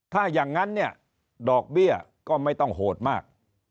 ถ้าอย่างนั้นเนี่ยดอกเบี้ยก็ไม่ต้องโหดมาก